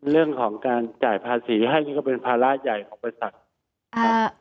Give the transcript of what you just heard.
เรื่องของการจ่ายภาษีให้นี่ก็เป็นภาระใหญ่ของบริษัทครับ